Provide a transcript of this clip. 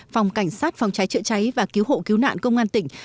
phòng cảnh sát phòng cháy trễ cháy và cứu hộ cứu nạn công an tp hcm